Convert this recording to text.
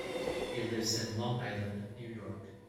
He lives in Long Island, New York.